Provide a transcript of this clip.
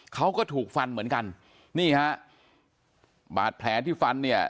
เขาก็ถูกฟันเหมือนกันนี่ฮะบาดแผลที่ฟันเนี่ย